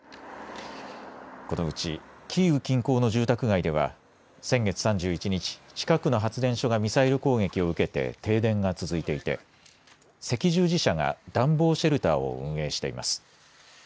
このうちキーウ近郊の住宅街では先月３１日、近くの発電所がミサイル攻撃を受けて停電が続いていて赤十字社が暖房シェルターを運営しています。